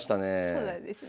そうなんですね。